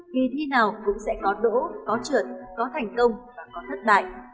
kỳ thi nào cũng sẽ có đỗ có trượt có thành công và có thất bại